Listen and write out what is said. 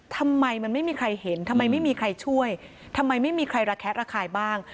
ทำไมมันไม่มีใครเห็นทำไมไม่มีใครช่วยทำไมไม่มีใครระแคะระคายบ้าง